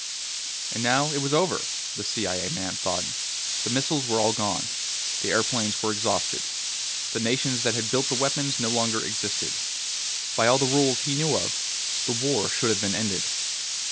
And now it was over, the CIA man thought. The missiles were all gone. The airplanes were exhausted. The nations that had built the weapons no longer existed. By all the rules he knew of, the war should have been ended.